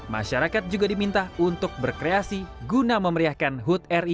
masyarakat juga diminta untuk berkreasi guna memeriahkan hut ri ke tujuh puluh lima secara virtual